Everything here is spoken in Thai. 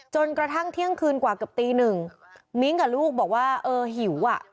จนกระทั่งเที่ยงคืนกว่าเกือบตีหนึ่งมิ้งกับลูกบอกว่าเออหิวอ่ะ